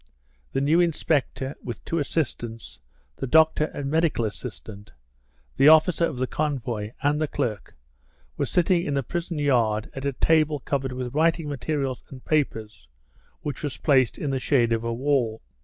The new inspector, with two assistants, the doctor and medical assistant, the officer of the convoy, and the clerk, were sitting in the prison yard at a table covered with writing materials and papers, which was placed in the shade of a wall.